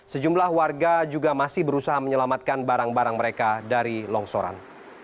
sejumlah warga juga masih berusaha menyelamatkan barang barang mereka dari longsoran